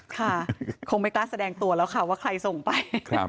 ค่ะคงไม่กล้าแสดงตัวแล้วค่ะว่าใครส่งไป